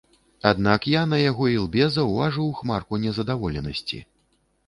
Аднак я на яго ілбе заўважыў хмарку незадаволенасці.